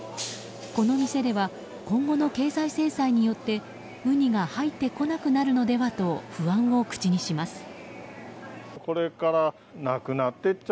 この店では今後の経済制裁によってウニが入ってこなくなるのではないかと不安を口にします。